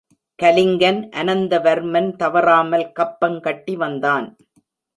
கலிங்கன் அனந்தவர்மன் தவறாமல் கப்பம் கட்டி வந்தான்.